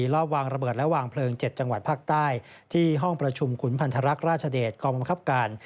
รอบวางระเบิดและวางเพลิง๗จังหวัดภาคใต้ที่ห้องประชุมขุนพันธรรคราชเดชกองบังคับการ